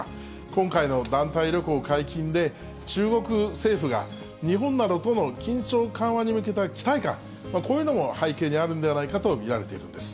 今回の団体旅行解禁で、中国政府が日本などとの緊張緩和に向けた期待感、こういうのも背景にあるんではないかと見られているんです。